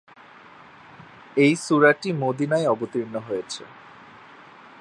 এই সূরাটি মদীনায় অবতীর্ণ হয়েছে।